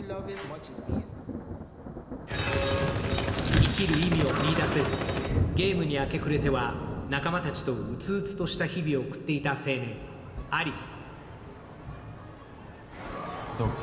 生きる意味を見いだせずゲームに明け暮れては仲間たちと鬱々とした日々を送っていた青年・アリス。